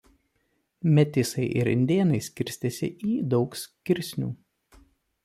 Metisai ir indėnai skirstėsi į daug skirsnių.